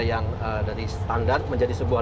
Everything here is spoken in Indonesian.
yang dari standar menjadi sebuah